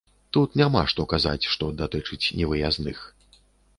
Тут няма што казаць, што датычыць невыязных.